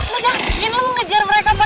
mas ya ingin lo ngejar mereka pake apa